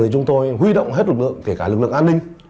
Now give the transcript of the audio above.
chúng tôi huy động hết lực lượng kể cả lực lượng an ninh